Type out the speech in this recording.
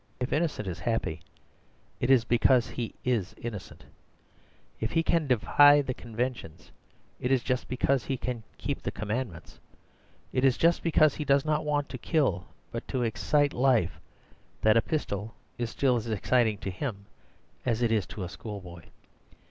If Innocent is happy, it is because he IS innocent. If he can defy the conventions, it is just because he can keep the commandments. It is just because he does not want to kill but to excite to life that a pistol is still as exciting to him as it is to a schoolboy.